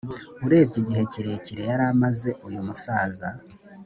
urebye igihe kirekire yari amaze uyu musaza